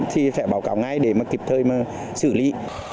thì sẽ báo cáo ngay để kịp thời xử lý